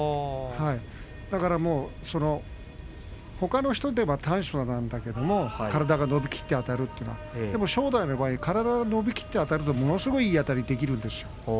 だから、ほかの人では短所なんだけれども体が伸びきってあたるというのは正代の場合は体が伸びきってあたると、ものすごいいいあたりができるんです。